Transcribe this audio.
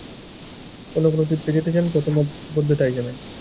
অন্য কোনো তীর্থে যেতে চান, পথে মত বদলে তাই যাবেন।